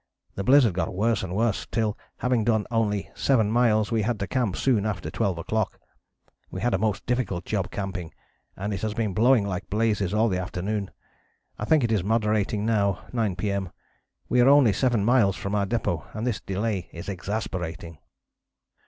The blizzard got worse and worse till, having done only seven miles, we had to camp soon after twelve o'clock. We had a most difficult job camping, and it has been blowing like blazes all the afternoon. I think it is moderating now, 9 P.M. We are only seven miles from our depôt and this delay is exasperating."